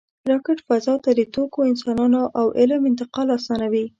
راکټ فضا ته د توکو، انسانانو او علم انتقال آسانوي